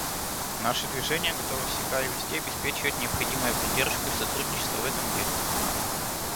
Наше Движение готово всегда и везде обеспечивать необходимые поддержку и сотрудничество в этом деле.